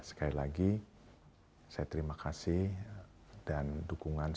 sekali lagi saya terima kasih dan dukungan